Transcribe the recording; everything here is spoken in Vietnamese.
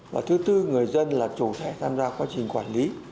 và thứ tư người dân là chủ thể tham gia quá trình quản lý